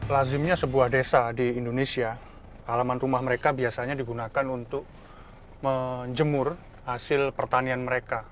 lazimnya sebuah desa di indonesia halaman rumah mereka biasanya digunakan untuk menjemur hasil pertanian mereka